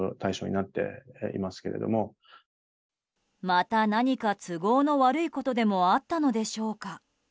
また何か都合の悪いことでもあったのでしょうか。